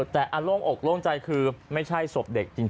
แต่อันโล่งอกโล่งใจคือไม่ใช่ศพเด็กจริง